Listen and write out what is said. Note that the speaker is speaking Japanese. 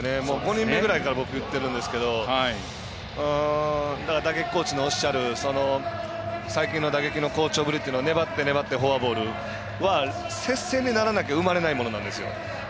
５人目ぐらいから僕、言ってるんですけど打撃コーチのおっしゃる最近の打撃の好調ぶりというのは粘って粘ってフォアボールは接戦にならなきゃ生まれないものなんですよ。